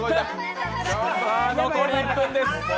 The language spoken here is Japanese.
残り１分です。